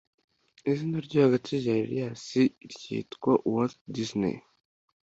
Izina ryo hagati rya Elias ryitwa Walt Disney